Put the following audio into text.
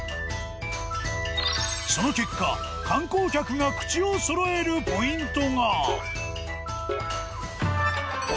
その結果観光客が口をそろえるポイントが。